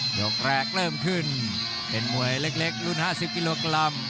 ยกแรกเริ่มขึ้นเป็นมวยเล็กรุ่น๕๐กิโลกรัม